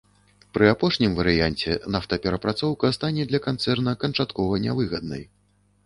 Пры апошнім варыянце нафтаперапрацоўка стане для канцэрна канчаткова нявыгаднай.